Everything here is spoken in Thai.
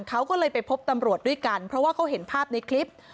เขาก็เลยไปพบตำรวจด้วยกันเพราะว่าเขาเห็นภาพในคลิป